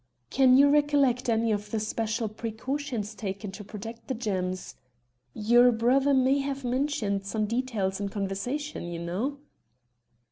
"Can you recollect any of the special precautions taken to protect the gems? Your brother may have mentioned some details in conversation, you know."